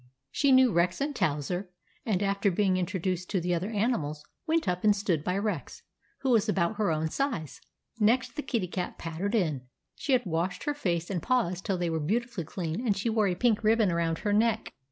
She knew Rex and Towser, and, after being introduced to the other animals, went up and stood by Rex, who was about her own size. Next the Kitty Cat pattered in. She had washed her face and paws till they were beautifully clean, and she wore a pink ribbon around her neck.